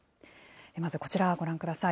まずこちらご覧ください。